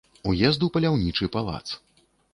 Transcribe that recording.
Уезд у паляўнічы палац.